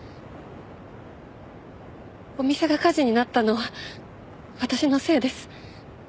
お店が火事になったのは私のせいです。